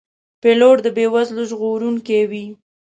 پیلوټ د بې وزلو ژغورونکی وي.